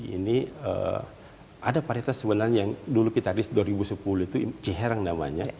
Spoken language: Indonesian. ini ada paritas sebenarnya yang dulu kita rist dua ribu sepuluh itu ciherang namanya